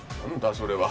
それは。